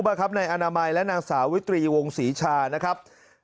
ครับนายอนามัยและนางสาวิตรีวงศรีชานะครับ